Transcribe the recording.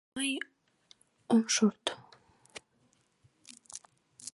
— Мый ом шорт.